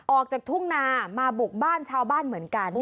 ออกจากทุ่งนามาบุกบ้านชาวบ้านเหมือนกัน